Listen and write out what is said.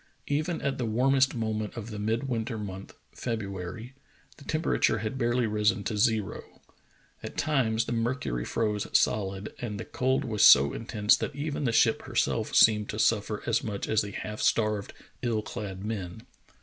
Even at the warmest moment of the midwinter month, February, the temperature had barely risen to zero. At times the mercury froze solid, and the cold was so intense that even the ship herself seemed to suffer as much as the half starved, ill clad men.